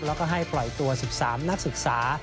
แล้วก็ให้ปล่อยตัว๑๓นักศึกษา